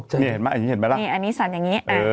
เห็นมั้ยทอนิสันอย่างเงียบ